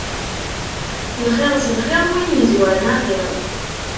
Lxir s lxir, win yezwaren axir.